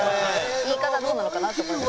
言い方どうなのかなと思いますけど。